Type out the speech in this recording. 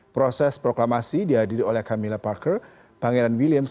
proses proklamasi dihadiri oleh camilla parker pangeran williams